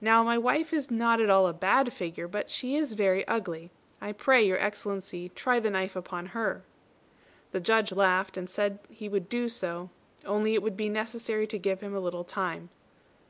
Now my wife is not at all a bad figure, but she is very ugly. I pray Your Excellency try the knife upon her." The Judge laughed, and said he would do so, only it would be necessary to give him a little time.